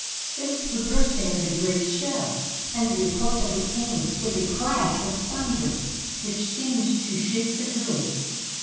It was the bursting of a great shell, and the report of it came with a crash of thunder which seemed to shake the hills.